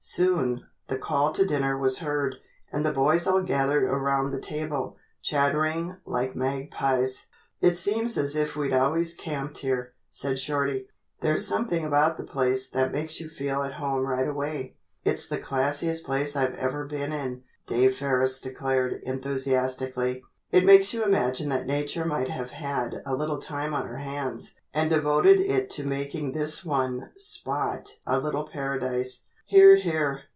Soon, the call to dinner was heard, and the boys all gathered around the table, chattering like magpies. "It seems as if we'd always camped here," said Shorty. "There's something about the place that makes you feel at home right away." "It's the classiest place I've ever been in," Dave Ferris declared, enthusiastically. "It makes you imagine that Nature might have had a little time on her hands and devoted it to making this one spot a little paradise." "Hear! Hear!"